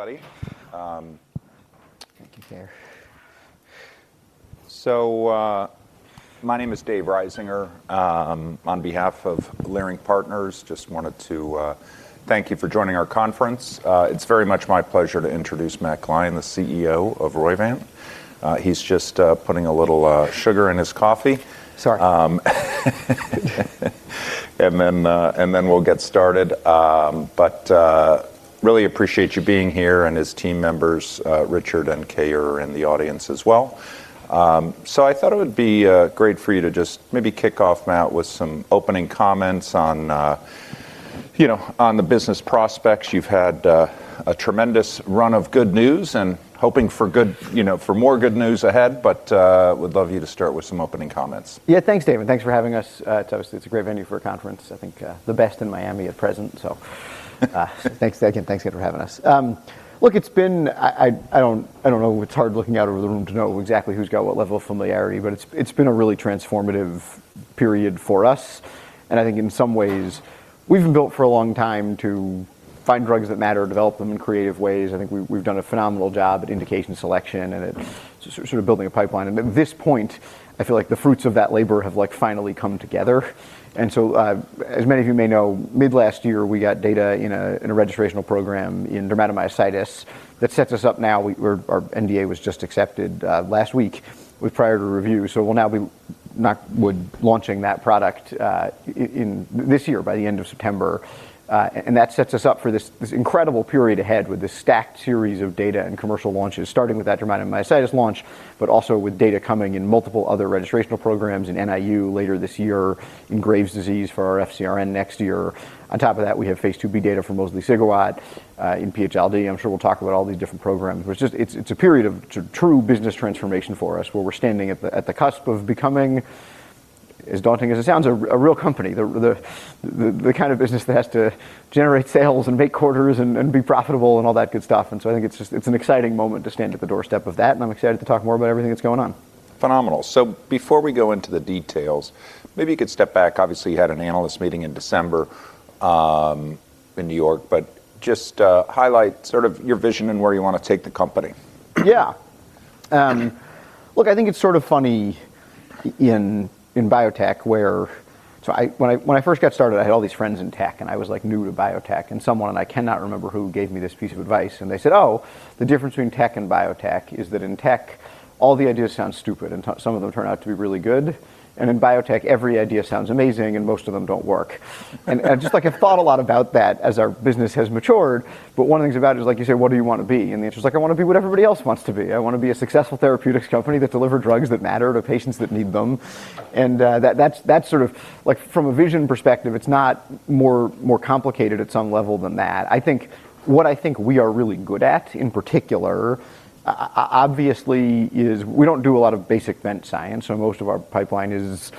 Everybody. Thank you, Claire. My name is David Risinger. On behalf of Leerink Partners, just wanted to thank you for joining our conference. It's very much my pleasure to introduce Matt Gline, the CEO of Roivant. He's just putting a little sugar in his coffee. Sorry. We'll get started. Really appreciate you being here, and his team members, Richard and Kay are in the audience as well. I thought it would be great for you to just maybe kick off, Matt, with some opening comments on you know, on the business prospects. You've had a tremendous run of good news and hoping for good, you know, for more good news ahead. Would love you to start with some opening comments. Yeah, thanks, David. Thanks for having us. It's obviously a great venue for a conference. I think the best in Miami at present. Thanks again for having us. Look, I don't know. It's hard looking out over the room to know exactly who's got what level of familiarity, but it's been a really transformative period for us. I think in some ways we've been built for a long time to find drugs that matter and develop them in creative ways. I think we've done a phenomenal job at indication selection and at sort of building a pipeline. At this point, I feel like the fruits of that labor have, like, finally come together. As many of you may know, mid last year, we got data in a registrational program in dermatomyositis that sets us up now. Our NDA was just accepted last week with priority review, so we'll now be knock wood, launching that product in this year by the end of September. That sets us up for this incredible period ahead with this stacked series of data and commercial launches, starting with that dermatomyositis launch, but also with data coming in multiple other registrational programs in NIU later this year, in Graves' disease for our FcRn next year. On top of that, we have phase II-B data for mosliciguat in PH-ILD. I'm sure we'll talk about all these different programs, but it's just a period of true business transformation for us, where we're standing at the cusp of becoming, as daunting as it sounds, a real company. The kind of business that has to generate sales and make quarters and be profitable and all that good stuff. I think it's just an exciting moment to stand at the doorstep of that, and I'm excited to talk more about everything that's going on. Phenomenal. Before we go into the details, maybe you could step back. Obviously, you had an analyst meeting in December, in New York, but just highlight sort of your vision and where you wanna take the company. Yeah. Look, I think it's sort of funny in biotech. When I first got started, I had all these friends in tech, and I was, like, new to biotech. Someone, I cannot remember who, gave me this piece of advice and they said, "Oh, the difference between tech and biotech is that in tech, all the ideas sound stupid, and some of them turn out to be really good. In biotech, every idea sounds amazing, and most of them don't work." I just, like, have thought a lot about that as our business has matured, but one of the things about it is, like you said, what do you wanna be? The answer is, like, "I wanna be what everybody else wants to be. I wanna be a successful therapeutics company that deliver drugs that matter to patients that need them." That's sort of like from a vision perspective, it's not more complicated at some level than that. I think what we are really good at, in particular, obviously, is we don't do a lot of basic bench science, so most of our pipeline is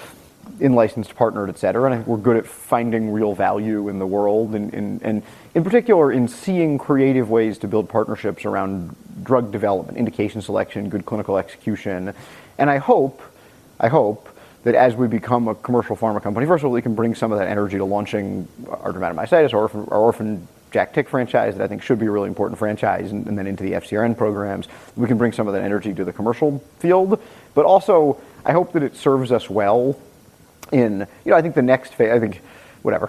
in-licensed partnered, et cetera. I think we're good at finding real value in the world and in particular in seeing creative ways to build partnerships around drug development, indication selection, good clinical execution. I hope that as we become a commercial pharma company, first of all, we can bring some of that energy to launching our dermatomyositis, our orphan JAK/TYK franchise that I think should be a really important franchise, and then into the FcRn programs. We can bring some of that energy to the commercial field. I hope that it serves us well in. You know, I think I think, whatever,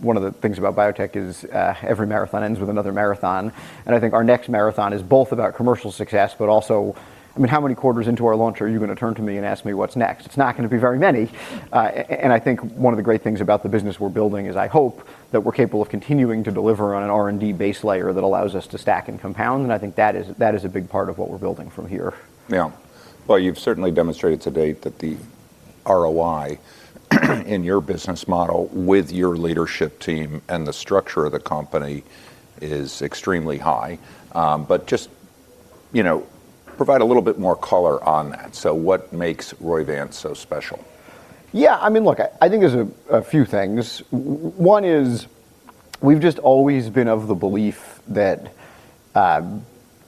one of the things about biotech is, every marathon ends with another marathon, and I think our next marathon is both about commercial success, but also. I mean, how many quarters into our launch are you gonna turn to me and ask me what's next? It's not gonna be very many. I think one of the great things about the business we're building is I hope that we're capable of continuing to deliver on an R&D base layer that allows us to stack and compound. I think that is a big part of what we're building from here. Yeah. Well, you've certainly demonstrated to date that the ROI in your business model with your leadership team and the structure of the company is extremely high. Just, you know, provide a little bit more color on that. What makes Roivant so special? Yeah. I mean, look, I think there's a few things. One is we've just always been of the belief that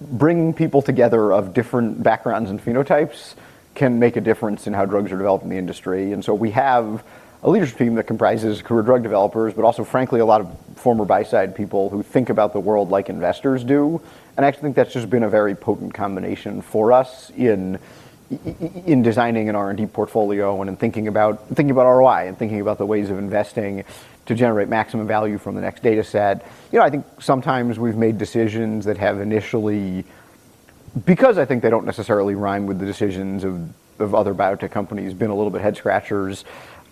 bringing people together of different backgrounds and phenotypes can make a difference in how drugs are developed in the industry. We have a leadership team that comprises career drug developers, but also frankly a lot of former buy side people who think about the world like investors do. I actually think that's just been a very potent combination for us in designing an R&D portfolio and in thinking about ROI and thinking about the ways of investing to generate maximum value from the next data set. You know, I think sometimes we've made decisions that have initially, because I think they don't necessarily rhyme with the decisions of other biotech companies, been a little bit head scratchers.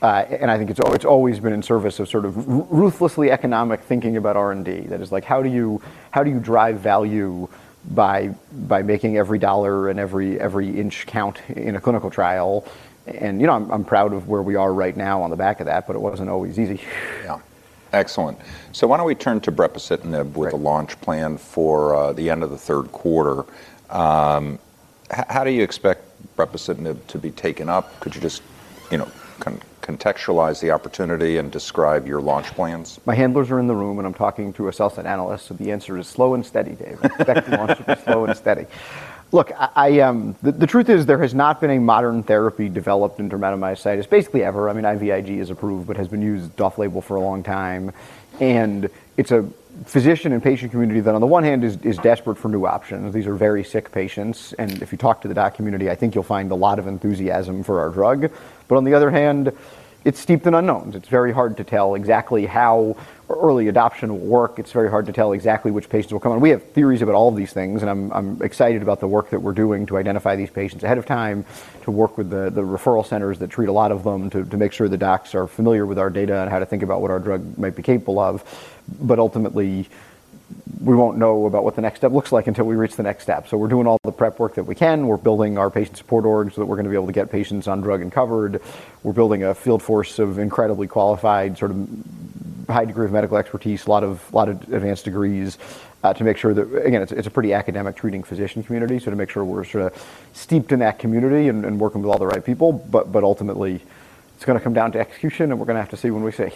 I think it's always been in service of sort of ruthlessly economic thinking about R&D. That is, like, how do you drive value by making every dollar and every inch count in a clinical trial? You know, I'm proud of where we are right now on the back of that, but it wasn't always easy. Yeah. Excellent. Why don't we turn to brepocitinib. Great with the launch plan for the end of the third quarter. How do you expect brepocitinib to be taken up? Could you just, you know, contextualize the opportunity and describe your launch plans? My handlers are in the room, and I'm talking to a sell-side analyst, so the answer is slow and steady, David. Effectively launched it slow and steady. Look, the truth is there has not been a modern therapy developed in dermatomyositis basically ever. I mean, IVIG is approved, but has been used off-label for a long time. It's a physician and patient community that on the one hand is desperate for new options. These are very sick patients, and if you talk to the doc community, I think you'll find a lot of enthusiasm for our drug. But on the other hand, it's steeped in unknowns. It's very hard to tell exactly how early adoption will work. It's very hard to tell exactly which patients will come on. We have theories about all of these things, and I'm excited about the work that we're doing to identify these patients ahead of time, to work with the referral centers that treat a lot of them, to make sure the docs are familiar with our data and how to think about what our drug might be capable of. Ultimately, we won't know about what the next step looks like until we reach the next step. We're doing all the prep work that we can. We're building our patient support org so that we're gonna be able to get patients on drug and covered. We're building a field force of incredibly qualified, sort of high degree of medical expertise, a lot of advanced degrees, to make sure that... Again, it's a pretty academic treating physician community, so to make sure we're sort of steeped in that community and working with all the right people. Ultimately, it's gonna come down to execution, and we're gonna have to see when we see.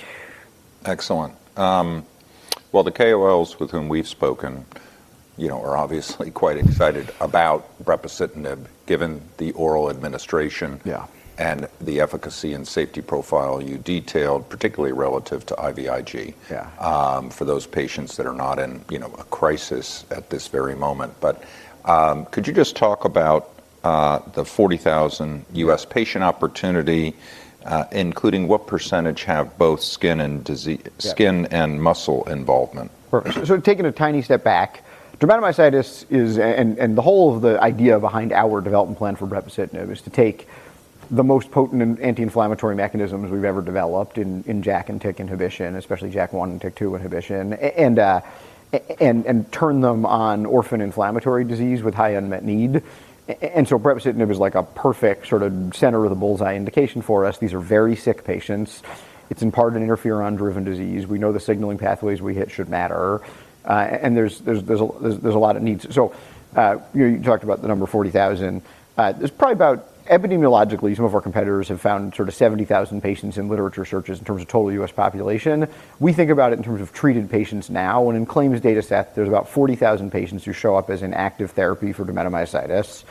Excellent. The KOLs with whom we've spoken, you know, are obviously quite excited about brepocitinib, given the oral administration. Yeah And the efficacy and safety profile you detailed, particularly relative to IVIG. Yeah For those patients that are not in, you know, a crisis at this very moment. Could you just talk about the 40,000 U.S. patient opportunity, including what percentage have both skin and dise- Yeah Skin and muscle involvement? Perfect. Taking a tiny step back, dermatomyositis is the whole idea behind our development plan for brepocitinib is to take the most potent and anti-inflammatory mechanisms we've ever developed in JAK and TYK inhibition, especially JAK1 and TYK2 inhibition and turn them on orphan inflammatory disease with high unmet need. Brepocitinib is like a perfect sort of center of the bull's eye indication for us. These are very sick patients. It's in part an interferon-driven disease. We know the signaling pathways we hit should matter. There's a lot of needs. You talked about the number 40,000. There's probably. Epidemiologically, some of our competitors have found sort of 70,000 patients in literature searches in terms of total U.S. population. We think about it in terms of treated patients now. When in claims dataset, there's about 40,000 patients who show up as an active therapy for dermatomyositis.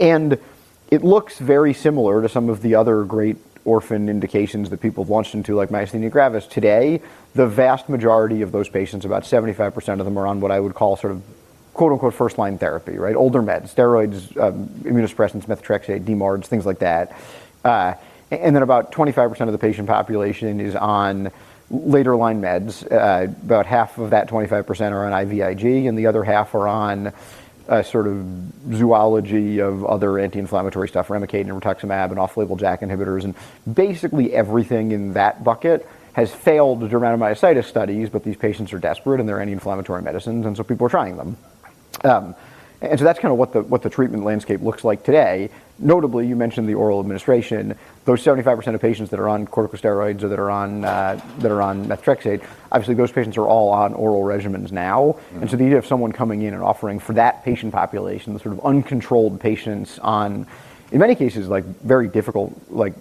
And it looks very similar to some of the other great orphan indications that people have launched into, like myasthenia gravis. Today, the vast majority of those patients, about 75% of them, are on what I would call sort of "first-line therapy," right? Older meds, steroids, immunosuppressants, methotrexate, DMARDs, things like that. And then about 25% of the patient population is on later line meds. About half of that 25% are on IVIG, and the other half are on a sort of zoo of other anti-inflammatory stuff, Remicade and rituximab and off-label JAK inhibitors. Basically everything in that bucket has failed the dermatomyositis studies, but these patients are desperate, and these are anti-inflammatory medicines, and so people are trying them. That's kinda what the treatment landscape looks like today. Notably, you mentioned the oral administration. Those 75% of patients that are on corticosteroids or that are on methotrexate, obviously, those patients are all on oral regimens now. Mm-hmm. The idea of someone coming in and offering for that patient population, the sort of uncontrolled patients on, in many cases, like very difficult, like,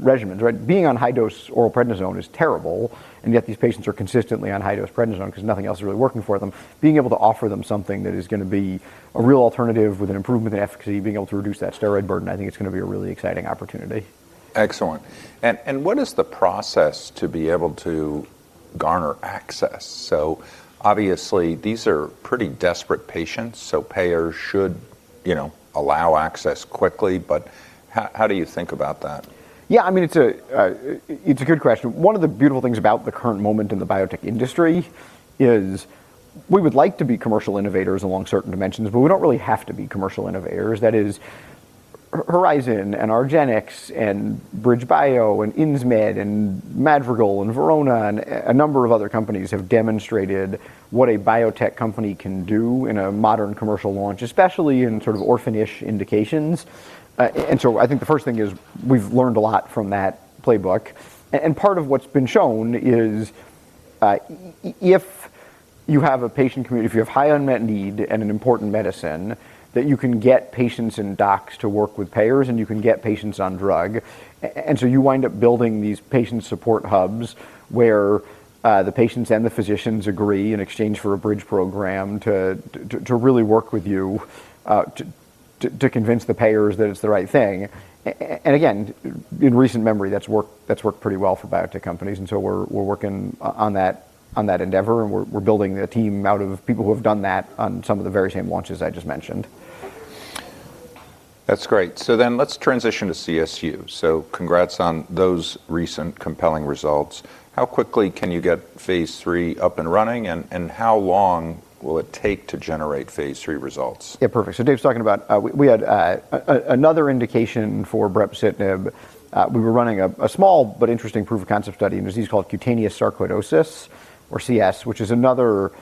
regimens, right? Being on high-dose oral prednisone is terrible, and yet these patients are consistently on high-dose oral prednisone because nothing else is really working for them. Being able to offer them something that is gonna be a real alternative with an improvement in efficacy, being able to reduce that steroid burden, I think it's gonna be a really exciting opportunity. Excellent. What is the process to be able to garner access? Obviously these are pretty desperate patients, so payers should, you know, allow access quickly. How do you think about that? Yeah, I mean, it's a good question. One of the beautiful things about the current moment in the biotech industry is we would like to be commercial innovators along certain dimensions, but we don't really have to be commercial innovators. That is, Horizon and argenx and BridgeBio and Insmed and Madrigal and Verona and a number of other companies have demonstrated what a biotech company can do in a modern commercial launch, especially in sort of orphan-ish indications. I think the first thing is we've learned a lot from that playbook. Part of what's been shown is, if you have a patient community, if you have high unmet need and an important medicine, that you can get patients and docs to work with payers, and you can get patients on drug. You wind up building these patient support hubs where the patients and the physicians agree in exchange for a bridge program to really work with you to convince the payers that it's the right thing. Again, in recent memory, that's worked pretty well for biotech companies, and we're working on that endeavor, and we're building a team out of people who have done that on some of the very same launches I just mentioned. That's great. Let's transition to CSU. Congrats on those recent compelling results. How quickly can you get phase three up and running, and how long will it take to generate phase three results? Yeah, perfect. Dave's talking about, we had another indication for brepocitinib. We were running a small but interesting proof of concept study, a disease called cutaneous sarcoidosis or CS, which is another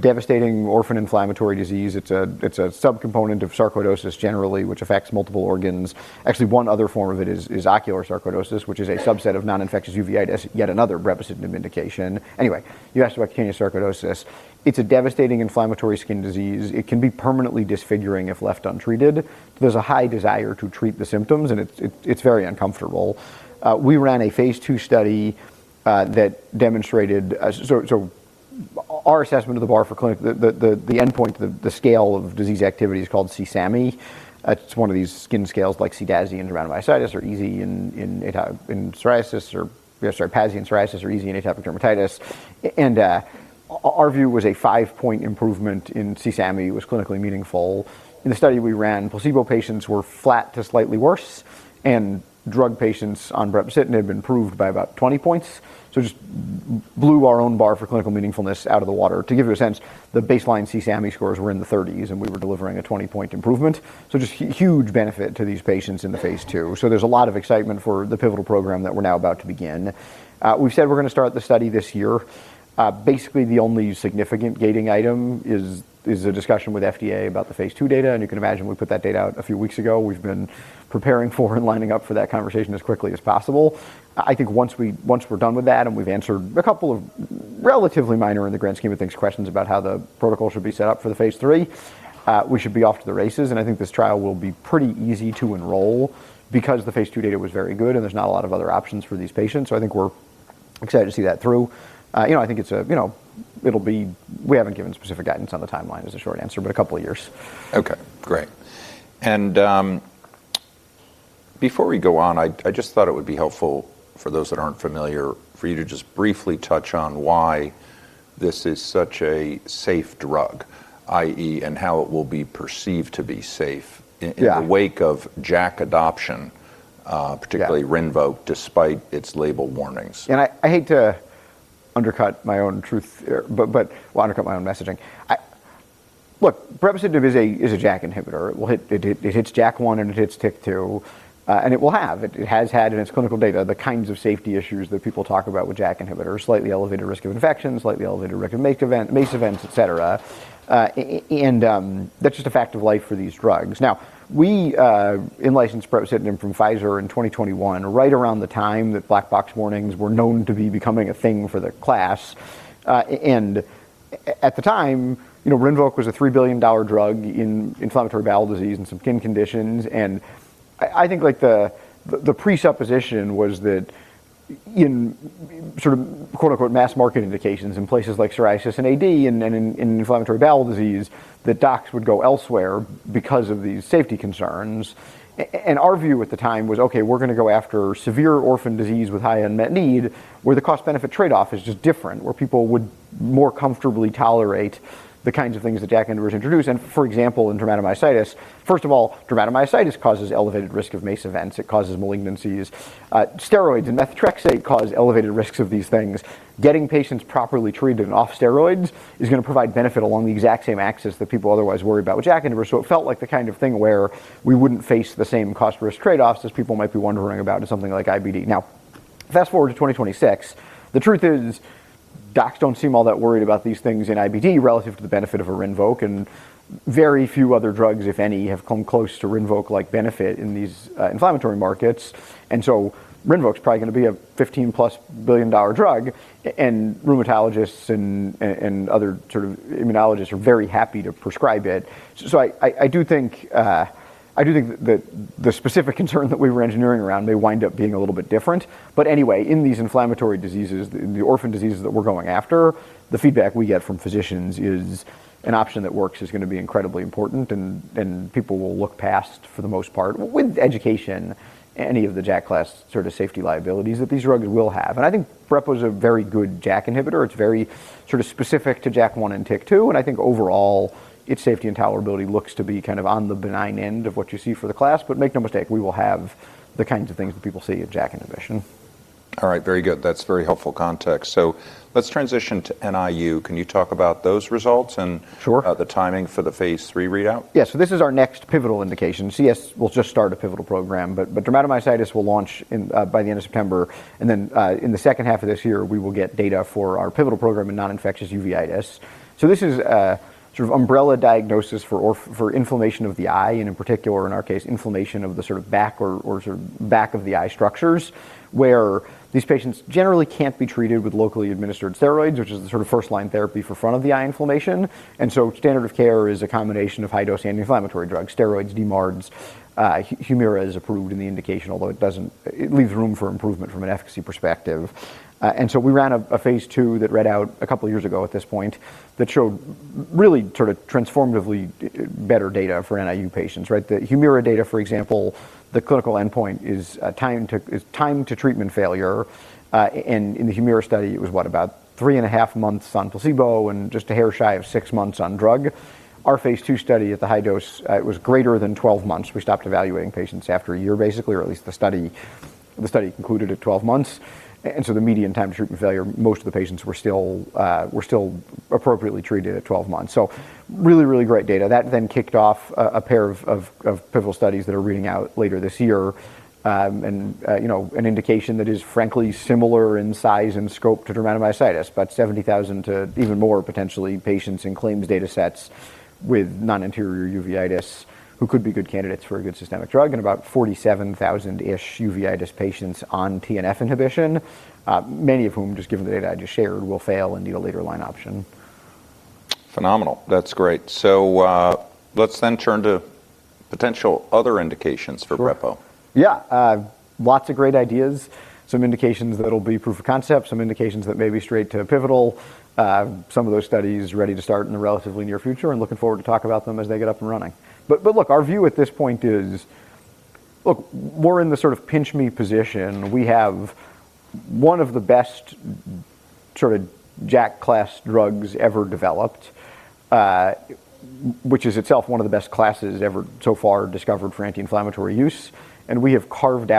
devastating orphan inflammatory disease. It's a subcomponent of sarcoidosis generally, which affects multiple organs. Actually, one other form of it is ocular sarcoidosis, which is a subset of non-infectious uveitis, yet another brepocitinib indication. Anyway, you asked about cutaneous sarcoidosis. It's a devastating inflammatory skin disease. It can be permanently disfiguring if left untreated. There's a high desire to treat the symptoms, and it's very uncomfortable. We ran a phase II study that demonstrated, so our assessment of the bar for clinical, the endpoint, the scale of disease activity is called CSAMI. It's one of these skin scales like CDASI in dermatomyositis or PASI in psoriasis or EASI in atopic dermatitis. Our view was a five-point improvement in CSAMI was clinically meaningful. In the study we ran, placebo patients were flat to slightly worse, and drug patients on brepocitinib had been improved by about 20 points. Just blew our own bar for clinical meaningfulness out of the water. To give you a sense, the baseline CSAMI scores were in the 30s, and we were delivering a 20-point improvement, so just huge benefit to these patients in the phase II. There's a lot of excitement for the pivotal program that we're now about to begin. We've said we're gonna start the study this year. Basically the only significant gating item is a discussion with FDA about the phase II data, and you can imagine we put that data out a few weeks ago. We've been preparing for and lining up for that conversation as quickly as possible. I think once we're done with that and we've answered a couple of relatively minor in the grand scheme of things questions about how the protocol should be set up for the phase III, we should be off to the races, and I think this trial will be pretty easy to enroll because the phase II data was very good, and there's not a lot of other options for these patients. I think we're excited to see that through. You know, I think it's, you know, it'll be. We haven't given specific guidance on the timeline. That's the short answer, but a couple of years. Okay, great. Before we go on, I just thought it would be helpful for those that aren't familiar for you to just briefly touch on why this is such a safe drug, i.e., and how it will be perceived to be safe. Yeah. in the wake of JAK adoption Yeah. Particularly Rinvoq, despite its label warnings. I hate to undercut my own truth or but undercut my own messaging. Look, brepocitinib is a JAK inhibitor. It hits JAK1 and it hits TYK2, and it has had in its clinical data the kinds of safety issues that people talk about with JAK inhibitors, slightly elevated risk of infection, slightly elevated risk of MACE events, et cetera. And that's just a fact of life for these drugs. Now, we in-licensed brepocitinib from Pfizer in 2021, right around the time that black box warnings were known to be becoming a thing for the class. At the time, you know, Rinvoq was a $3 billion drug in inflammatory bowel disease and some skin conditions, and I think, like, the presupposition was that in sort of "mass market indications" in places like psoriasis and AD and in inflammatory bowel disease, that docs would go elsewhere because of these safety concerns. Our view at the time was, okay, we're gonna go after severe orphan disease with high unmet need where the cost-benefit trade-off is just different, where people would more comfortably tolerate the kinds of things that JAK inhibitors introduce. For example, in dermatomyositis, first of all, dermatomyositis causes elevated risk of MACE events. It causes malignancies. Steroids and methotrexate cause elevated risks of these things. Getting patients properly treated and off steroids is gonna provide benefit along the exact same axis that people otherwise worry about with JAK inhibitors, so it felt like the kind of thing where we wouldn't face the same cost-risk trade-offs as people might be wondering about in something like IBD. Now, fast-forward to 2026, the truth is docs don't seem all that worried about these things in IBD relative to the benefit of a Rinvoq, and very few other drugs, if any, have come close to Rinvoq-like benefit in these inflammatory markets. Rinvoq's probably gonna be a $15+ billion drug, and rheumatologists and other sort of immunologists are very happy to prescribe it. I do think that the specific concern that we were engineering around may wind up being a little bit different. Anyway, in these inflammatory diseases, the orphan diseases that we're going after, the feedback we get from physicians is an option that works is gonna be incredibly important, and people will look past, for the most part, with education, any of the JAK-class sort of safety liabilities that these drugs will have. I think brepocitinib was a very good JAK inhibitor. It's very sort of specific to JAK1 and TYK2, and I think overall its safety and tolerability looks to be kind of on the benign end of what you see for the class. Make no mistake, we will have the kinds of things that people see with JAK inhibition. All right. Very good. That's very helpful context. Let's transition to NIU. Can you talk about those results and- Sure. The timing for the phase III readout? Yeah. This is our next pivotal indication. CSU will just start a pivotal program, but dermatomyositis will launch in, by the end of September, and then, in the second half of this year, we will get data for our pivotal program in non-infectious uveitis. This is a sort of umbrella diagnosis for inflammation of the eye, and in particular in our case, inflammation of the sort of back or sort of back of the eye structures, where these patients generally can't be treated with locally administered steroids, which is the sort of first-line therapy for front of the eye inflammation. Standard of care is a combination of high-dose anti-inflammatory drugs, steroids, DMARDs. Humira is approved in the indication, although it doesn't. It leaves room for improvement from an efficacy perspective. We ran a phase II that read out a couple of years ago at this point that showed really sort of transformatively better data for NIU patients, right? The Humira data, for example, the clinical endpoint is time to treatment failure. In the Humira study, it was about 3.5 months on placebo and just a hair shy of six months on drug. Our phase II study at the high dose, it was greater than 12 months. We stopped evaluating patients after a year, basically, or at least the study concluded at 12 months. The median time to treatment failure, most of the patients were still appropriately treated at 12 months. Really, really great data. That kicked off a pair of pivotal studies that are reading out later this year, and you know, an indication that is frankly similar in size and scope to dermatomyositis, about 70,000 to even more potentially patients in claims data sets with non-anterior uveitis who could be good candidates for a good systemic drug, and about 47,000-ish uveitis patients on TNF inhibition, many of whom, just given the data I just shared, will fail and need a later line option. Phenomenal. That's great. Let's then turn to potential other indications for Brepo. Sure. Yeah. Lots of great ideas, some indications that'll be proof of concept, some indications that may be straight to pivotal. Some of those studies ready to start in the relatively near future and looking forward to talk about them as they get up and running. Look, our view at this point is. Look, we're in the sort of pinch me position. We have one of the best sort of JAK class drugs ever developed, which is itself one of the best classes ever so far discovered for anti-inflammatory use, and we have carved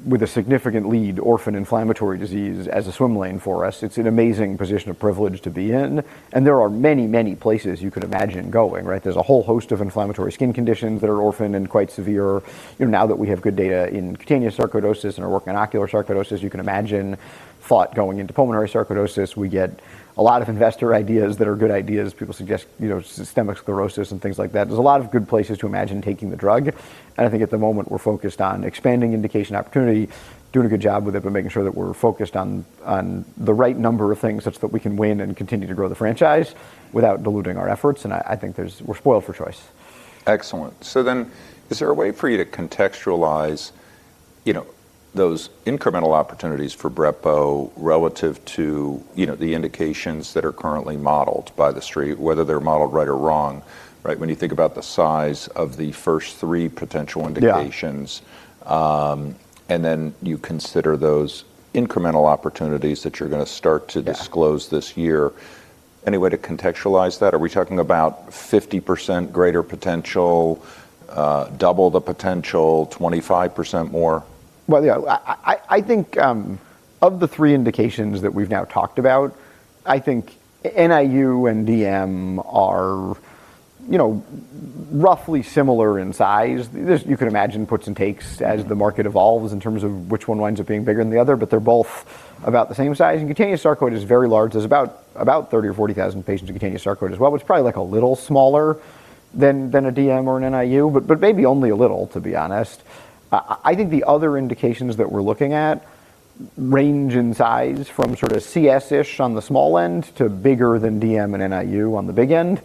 out, with a significant lead, orphan inflammatory disease as a swim lane for us. It's an amazing position of privilege to be in, and there are many, many places you could imagine going, right? There's a whole host of inflammatory skin conditions that are orphan and quite severe. You know, now that we have good data in cutaneous sarcoidosis and are working on ocular sarcoidosis, you can imagine thought going into pulmonary sarcoidosis. We get a lot of investor ideas that are good ideas. People suggest, you know, systemic sclerosis and things like that. There's a lot of good places to imagine taking the drug, and I think at the moment we're focused on expanding indication opportunity, doing a good job with it, but making sure that we're focused on the right number of things such that we can win and continue to grow the franchise without diluting our efforts, and I think we're spoiled for choice. Excellent. Is there a way for you to contextualize, you know, those incremental opportunities for brepocitinib relative to, you know, the indications that are currently modeled by the street, whether they're modeled right or wrong, right? When you think about the size of the first three potential indications- Yeah. You consider those incremental opportunities that you're gonna start to disclose this year. Any way to contextualize that? Are we talking about 50% greater potential, double the potential, 25% more? Well, yeah, I think of the three indications that we've now talked about, I think NIU and DM are, you know, roughly similar in size. You can imagine puts and takes as the market evolves in terms of which one winds up being bigger than the other, but they're both about the same size. Cutaneous sarcoidosis is very large. There's about 30,000 or 40,000 patients with cutaneous sarcoidosis as well, which is probably like a little smaller than a DM or an NIU, but maybe only a little, to be honest. I think the other indications that we're looking at range in size from sort of CS-ish on the small end to bigger than DM and NIU on the big end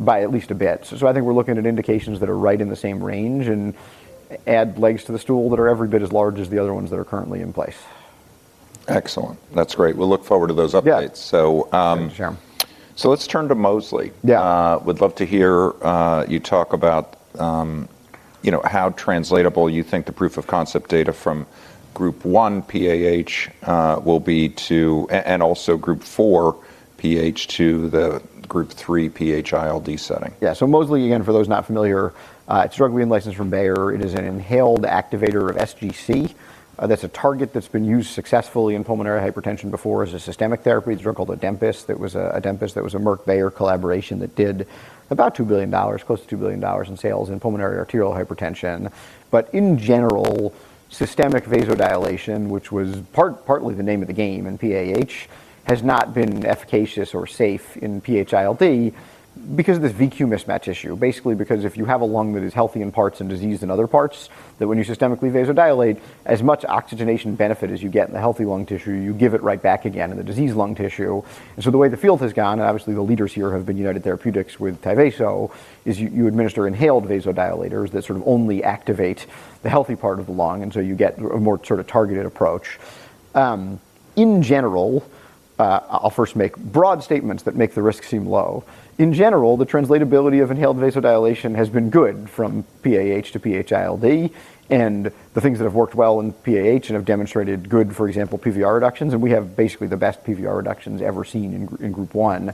by at least a bit. I think we're looking at indications that are right in the same range and add legs to the stool that are every bit as large as the other ones that are currently in place. Excellent. That's great. We'll look forward to those updates. Yeah. So, um- Sure. Let's turn to mosliciguat. Yeah. Would love to hear you talk about, you know, how translatable you think the proof of concept data from Group 1 PAH will be to and also group four PH to the Group 3 PH-ILD setting. Yeah. Mosliciguat, again, for those not familiar, it's a drug we had licensed from Bayer. It is an inhaled activator of SGC. That's a target that's been used successfully in pulmonary hypertension before as a systemic therapy. It's a drug called Adempas. It was Adempas that was a Merck-Bayer collaboration that did about $2 billion, close to $2 billion in sales in pulmonary arterial hypertension. But in general, systemic vasodilation, which was partly the name of the game in PAH, has not been efficacious or safe in PH-ILD because of this V/Q mismatch issue. Basically, because if you have a lung that is healthy in parts and diseased in other parts, that when you systemically vasodilate, as much oxygenation benefit as you get in the healthy lung tissue, you give it right back again in the diseased lung tissue. The way the field has gone, obviously the leaders here have been United Therapeutics with Tyvaso, is you administer inhaled vasodilators that sort of only activate the healthy part of the lung, and so you get a more sort of targeted approach. In general, I'll first make broad statements that make the risk seem low. In general, the translatability of inhaled vasodilation has been good from PAH to PH-ILD, and the things that have worked well in PAH and have demonstrated good, for example, PVR reductions, and we have basically the best PVR reductions ever seen in Group 1,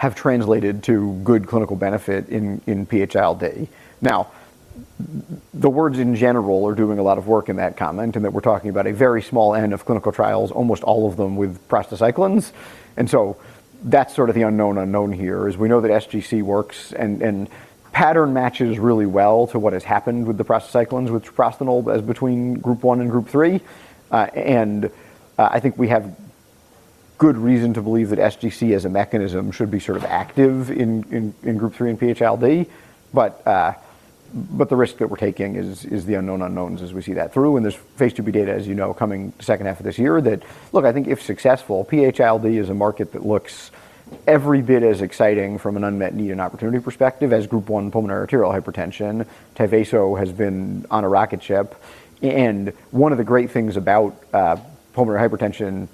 have translated to good clinical benefit in PH-ILD. Now, the words in general are doing a lot of work in that comment, and that we're talking about a very small n of clinical trials, almost all of them with prostacyclins. That's sort of the unknown unknown here, is we know that sGC works and pattern matches really well to what has happened with the prostacyclins, with treprostinil as between group one and group three. I think we have good reason to believe that sGC as a mechanism should be sort of active in group three and PH-ILD. The risk that we're taking is the unknown unknowns as we see that through. There's phase II-B data, as you know, coming second half of this year. Look, I think if successful, PH-ILD is a market that looks every bit as exciting from an unmet need and opportunity perspective as Group 1 pulmonary arterial hypertension. Tyvaso has been on a rocket ship. One of the terrible things about pulmonary hypertension,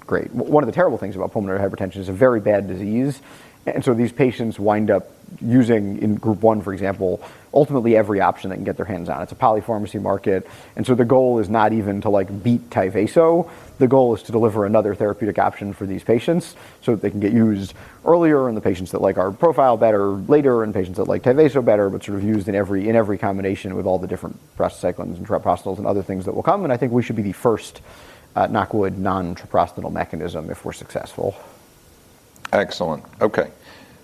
it's a very bad disease. These patients wind up using, in Group 1, for example, ultimately every option they can get their hands on. It's a polypharmacy market, the goal is not even to, like, beat Tyvaso. The goal is to deliver another therapeutic option for these patients, so that they can get used earlier in the patients that like our profile better later, and patients that like Tyvaso better, but sort of used in every combination with all the different prostacyclins and treprostinils and other things that will come. I think we should be the first, knock on wood, non-treprostinil mechanism if we're successful. Excellent. Okay.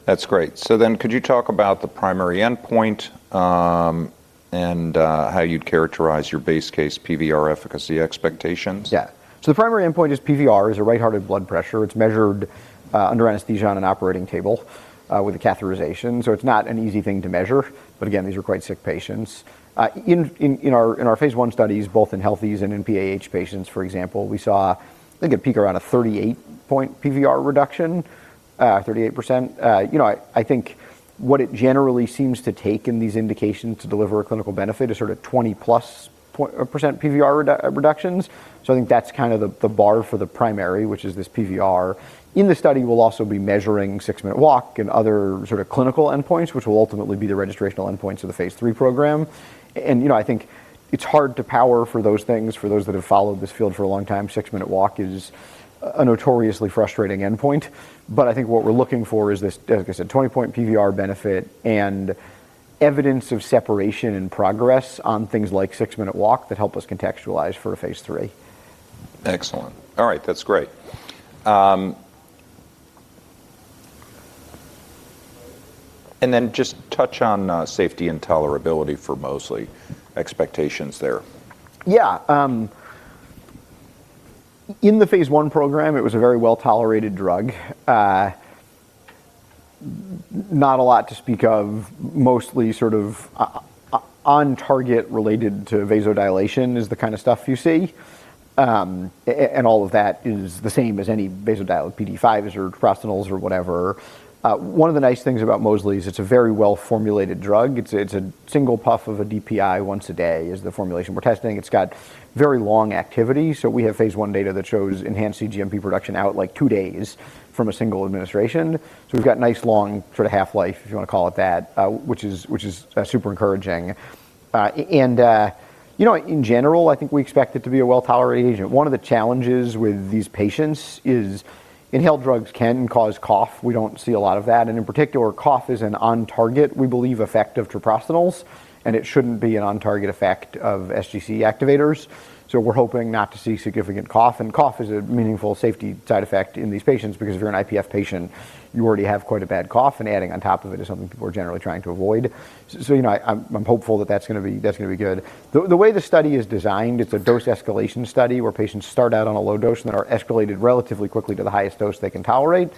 That's great. Could you talk about the primary endpoint, how you'd characterize your base case PVR efficacy expectations? Yeah. The primary endpoint is PVR, a right heart blood pressure. It's measured under anesthesia on an operating table with a catheterization, so it's not an easy thing to measure. But again, these are quite sick patients. In our phase I studies, both in healthies and in PAH patients, for example, we saw I think a peak around a 38-point PVR reduction, 38%. You know, I think what it generally seems to take in these indications to deliver a clinical benefit is sort of 20%+ PVR reductions. I think that's kind of the bar for the primary, which is this PVR. In the study, we'll also be measuring six-minute walk and other sort of clinical endpoints, which will ultimately be the registrational endpoints of the phase III program. You know, I think it's hard to power for those things. For those that have followed this field for a long time, six-minute walk is a notoriously frustrating endpoint. I think what we're looking for is this, like I said, 20-point PVR benefit and evidence of separation and progress on things like six-minute walk that help us contextualize for a phase III. Excellent. All right. That's great. Just touch on safety and tolerability for mosliciguat, expectations there. Yeah. In the phase II program, it was a very well-tolerated drug. Not a lot to speak of. Mostly sort of on target related to vasodilation is the kinda stuff you see. And all of that is the same as any vasodilator, PDE5 inhibitors or prostanoids or whatever. One of the nice things about mosliciguat is it's a very well-formulated drug. It's a single puff of a DPI once a day is the formulation we're testing. It's got very long activity, so we have phase one data that shows enhanced cGMP production out like two days from a single administration. So we've got nice long sort of half-life, if you wanna call it that, which is super encouraging. And, you know, in general, I think we expect it to be a well-tolerated agent. One of the challenges with these patients is inhaled drugs can cause cough. We don't see a lot of that, and in particular, cough is an on target, we believe, effect of treprostinil, and it shouldn't be an on target effect of SGC activators. We're hoping not to see significant cough, and cough is a meaningful safety side effect in these patients because if you're an IPF patient, you already have quite a bad cough, and adding on top of it is something people are generally trying to avoid. You know, I'm hopeful that that's gonna be good. The way the study is designed, it's a dose escalation study where patients start out on a low dose and then are escalated relatively quickly to the highest dose they can tolerate.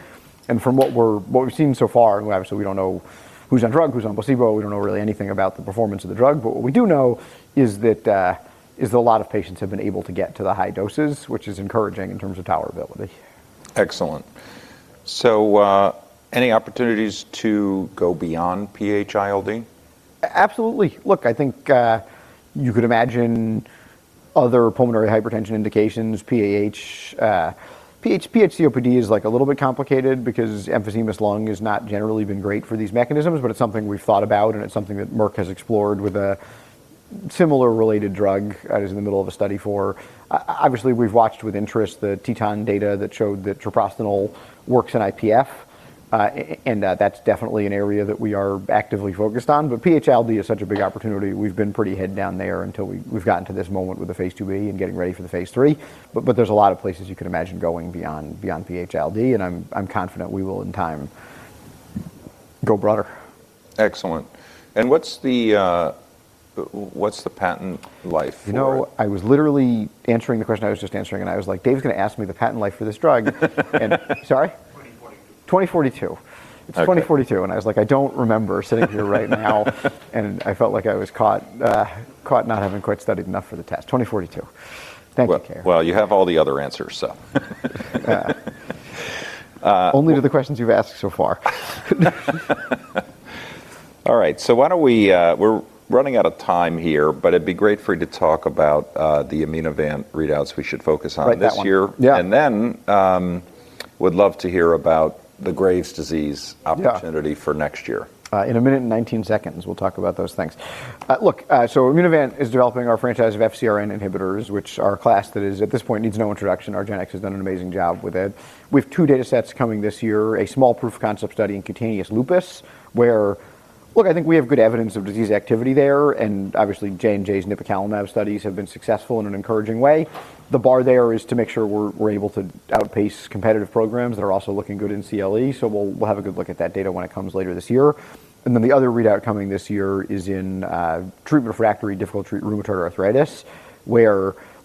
From what we've seen so far, and obviously, we don't know who's on drug, who's on placebo, we don't know really anything about the performance of the drug. What we do know is that a lot of patients have been able to get to the high doses, which is encouraging in terms of tolerability. Excellent. Any opportunities to go beyond PH-ILD? Absolutely. Look, I think you could imagine other pulmonary hypertension indications, PAH. PH-COPD is, like, a little bit complicated because emphysematous lung has not generally been great for these mechanisms, but it's something we've thought about, and it's something that Merck has explored with a similar related drug that is in the middle of a study for. Obviously, we've watched with interest the Teton data that showed that treprostinil works in IPF, and that's definitely an area that we are actively focused on. But PH-ILD is such a big opportunity. We've been pretty head down there until we've gotten to this moment with the phase II-B and getting ready for the phase III. But there's a lot of places you could imagine going beyond PH-ILD, and I'm confident we will in time go broader. Excellent. What's the patent life for it? You know, I was literally answering the question I was just answering, and I was like, "Dave's gonna ask me the patent life for this drug. 2042. 2042. Okay. It's 2042, and I was like, "I don't remember sitting here right now." I felt like I was caught not having quite studied enough for the test. 2042. Thank you, Kay. Well, well, you have all the other answers, so. Yeah. Uh- Only to the questions you've asked so far. All right. Why don't we're running out of time here, but it'd be great for you to talk about the Immunovant readouts we should focus on this year. Right, that one. Yeah. Would love to hear about the Graves' disease opportunity. Yeah For next year. In a minute and 19 seconds, we'll talk about those things. Look, Immunovant is developing our franchise of FcRn inhibitors, which are a class that is, at this point, needs no introduction. argenx has done an amazing job with it. We've two datasets coming this year, a small proof of concept study in cutaneous lupus. Look, I think we have good evidence of disease activity there, and obviously, J&J's nipocalimab studies have been successful in an encouraging way. The bar there is to make sure we're able to outpace competitive programs that are also looking good in CLE, so we'll have a good look at that data when it comes later this year. Then the other readout coming this year is in treatment-refractory, difficult to treat rheumatoid arthritis.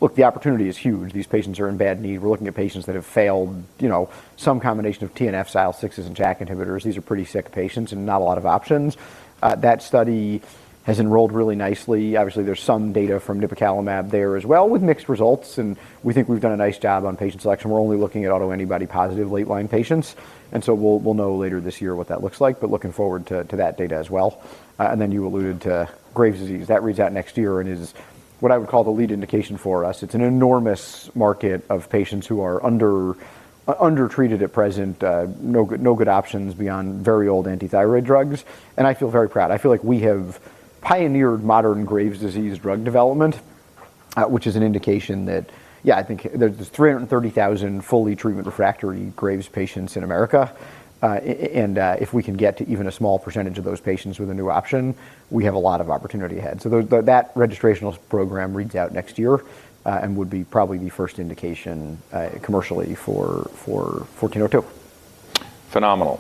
Look, the opportunity is huge. These patients are in bad need. We're looking at patients that have failed, you know, some combination of TNF, IL-6s and JAK inhibitors. These are pretty sick patients and not a lot of options. That study has enrolled really nicely. Obviously, there's some data from nipocalimab there as well with mixed results, and we think we've done a nice job on patient selection. We're only looking at autoantibody positive late-line patients, so we'll know later this year what that looks like, but looking forward to that data as well. You alluded to Graves' disease. That reads out next year and is what I would call the lead indication for us. It's an enormous market of patients who are undertreated at present. No good options beyond very old antithyroid drugs, and I feel very proud. I feel like we have pioneered modern Graves' disease drug development, which is an indication that, yeah, I think there's 330,000 fully treatment-refractory Graves patients in America. And if we can get to even a small percentage of those patients with a new option, we have a lot of opportunity ahead. That registrational program reads out next year, and would be probably the first indication, commercially for IMVT-1402. Phenomenal